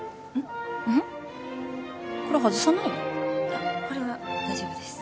あっこれは大丈夫です。